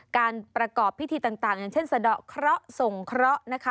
การประกอบพิธีต่างอย่างเช่นสะดอกเคราะห์ส่งเคราะห์นะคะ